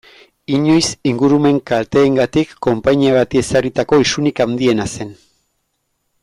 Inoiz ingurumen kalteengatik konpainia bati ezarritako isunik handiena zen.